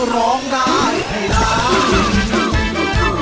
ร้องได้ให้ร้าน